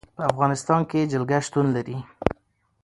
په افغانستان کې جلګه شتون لري.